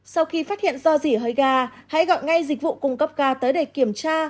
sau khi phát hiện do dỉ hới ga hãy gọi ngay dịch vụ cung cấp ga tới để kiểm tra